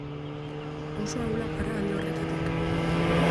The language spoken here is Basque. Oso ahulak gara alde horretatik.